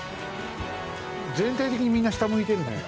全体的にみんな下向いてるんだよ。